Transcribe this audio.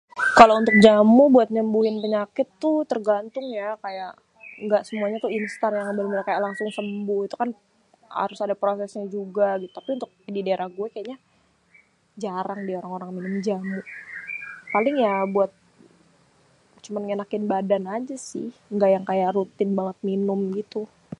Kalau untuk jamu buat nyembuhin penyakit tuh tergantung ya kaya, ga semuanya tuh instan ga ke bener-bener langsung sembuh. Itu kan harus ada prosesnya juga tapi kalo untuk di daerah gué, keknya jarang deh orang minum jamu paling ya cuma buat ngenakin badan ajé si engga yang kaya rutin banget minum gitu.